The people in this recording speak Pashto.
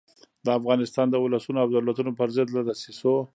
د افغانستان د اولسونو او دولتونو پر ضد له دسیسو.